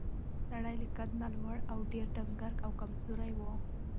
سړی له قد نه لوړ او ډېر ډنګر او کمزوری و.